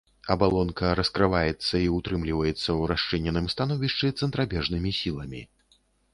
Абалонка раскрываецца і ўтрымліваецца ў расчыненым становішчы цэнтрабежнымі сіламі.